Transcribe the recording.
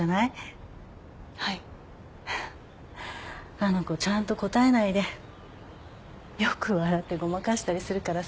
あの子ちゃんと答えないでよく笑ってごまかしたりするからさ。